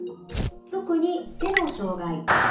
特に手の障害。